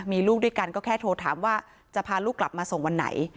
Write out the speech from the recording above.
มีลูกด้วยกันก็แค่โทรถามว่าจะพาลูกกลับมาส่งวันไหน